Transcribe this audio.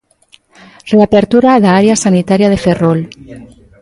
Reapertura da área sanitaria de Ferrol.